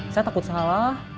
saya takut salah